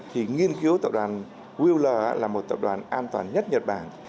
thì nghiên cứu tập đoàn weler là một tập đoàn an toàn nhất nhật bản